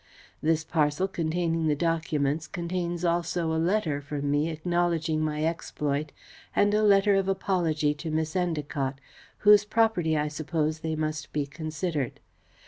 This parcel containing the documents contains also a letter from me acknowledging my exploit and a letter of apology to Miss Endacott, whose property I suppose they must be considered.